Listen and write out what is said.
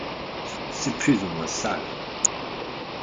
C’est plus ou moins sale.